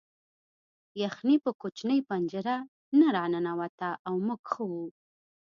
یخني په کوچنۍ پنجره نه راننوته او موږ ښه وو